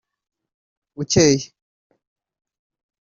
ukeye